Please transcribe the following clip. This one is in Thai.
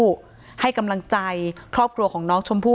ประสงสามรูปนะคะนำสายสีขาวผูกข้อมือให้กับพ่อแม่ของน้องชมพู่